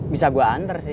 bisa gue anter sih